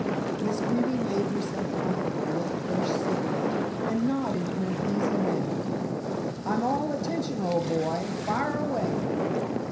Miss Greeby made herself comfortable with a fresh cigarette, and nodded in an easy manner, "I'm all attention, old boy. Fire away!"